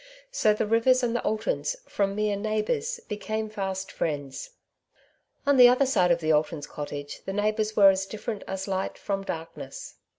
So the Eivers and the Altons from mere neisrh hours became fast friends. On the other side of the Altons' cottage the neigh bours were as different as light from darkness.